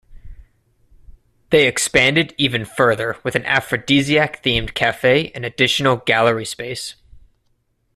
They expanded even further with an aphrodisiac-themed cafe and additional gallery space.